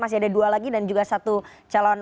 masih ada dua lagi dan juga satu calon